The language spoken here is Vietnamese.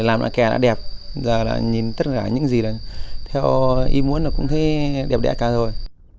làm lại kè đã đẹp nhìn tất cả những gì theo ý muốn cũng thấy đẹp đẹp cả rồi